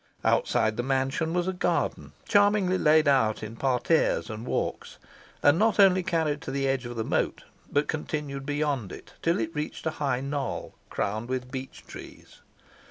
Outside the mansion was a garden, charmingly laid out in parterres and walks, and not only carried to the edge of the moat, but continued beyond it till it reached a high knoll crowned with beech trees.